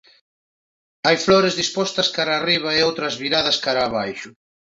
Hai flores dispostas cara arriba e outras viradas cara abaixo.